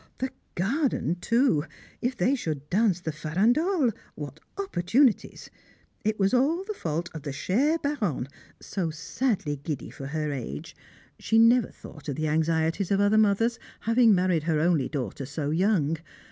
The garden, too! If they should dance the farandole! what opportunities! It was all the fault of the chère Baronne, so sadly giddy for her age. She never thought of the anxieties of other mothers, having married her only daughter so young!